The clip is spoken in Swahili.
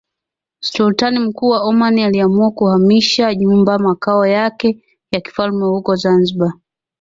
Sultan mkuu wa Oman aliamua kuhamisha nyumba makao yake ya kifalme huko Zanzibar